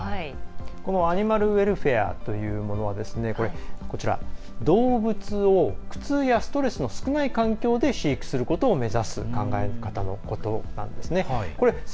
アニマルウェルフェアというものは動物を苦痛やストレスの少ない環境で飼育することを目指す考え方のことなんですね。